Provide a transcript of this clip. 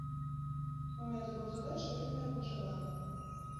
У медыкаў задачы вельмі абмежаваныя.